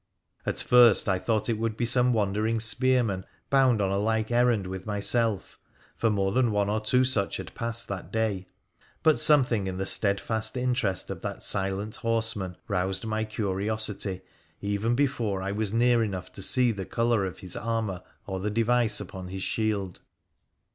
At first I thought it would be some wandering spearman bound on a like errand with myself, for more than one or two such had passed that day. But something in the steadfast interest of that silent horseman roused my curiosity even before I was near enough to see the colour of his armour or the device upon his shield.